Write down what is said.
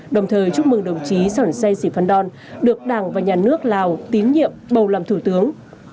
đồng thời chúc mừng đồng chí sỏn say sì phan đòn được đảng và nhà nước lào tín nhiệm bầu làm thủ tướng